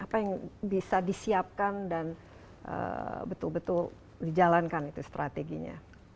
apa yang bisa disiapkan dan betul betul dijalankan itu strateginya